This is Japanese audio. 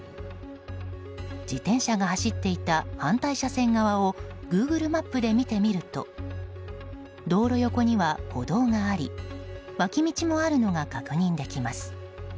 自転車が走っていた反対車線側をグーグルマップで見てみると道路横には歩道があり脇道もあるのが確認できます。